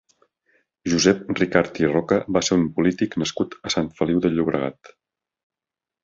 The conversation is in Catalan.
Josep Ricart i Roca va ser un polític nascut a Sant Feliu de Llobregat.